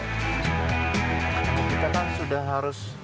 kita kan sudah harus